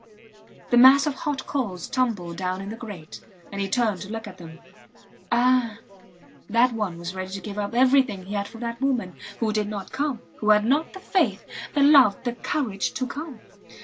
... The mass of hot coals tumbled down in the grate, and he turned to look at them ... Ah! That one was ready to give up everything he had for that woman who did not come who had not the faith, the love, the courage to come.